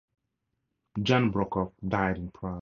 Jan Brokoff died in Prague.